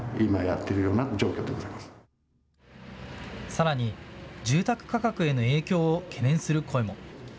さらに、住宅価格への影響を懸念する声も。